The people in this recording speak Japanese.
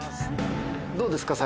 どうですか？